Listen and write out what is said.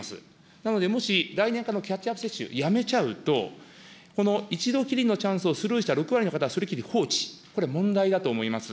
なので、もし来年からのキャッチアップ接種をやめちゃうと、この一度きりのチャンスをスルーした６割の方はそれきり放置、これは問題だと思います。